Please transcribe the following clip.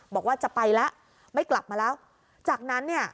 บอกว่าจะไปแล้วไม่กลับมาแล้วจากนั้นเนี่ย